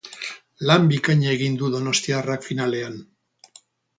Lan bikaina egin du donostiarrak finalean.